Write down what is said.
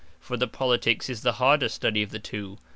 For the Politiques is the harder study of the two.